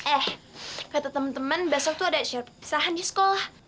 eh kata temen temen besok tuh ada syarikat perpisahan di sekolah